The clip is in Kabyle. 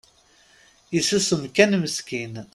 Isusem kan meskin.